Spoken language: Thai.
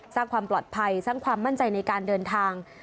สร้างความปลอดภัยสร้างความมั่นใจในการเดินทาง